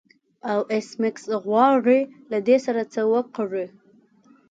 او ایس میکس غواړي له دې سره څه وکړي